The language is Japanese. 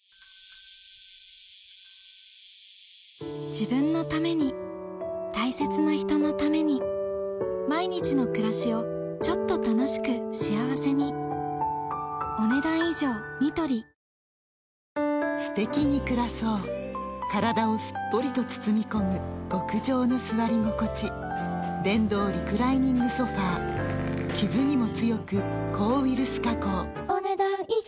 自分のために大切な人のために毎日の暮らしをちょっと楽しく幸せにすてきに暮らそう体をすっぽりと包み込む極上の座り心地電動リクライニングソファ傷にも強く抗ウイルス加工お、ねだん以上。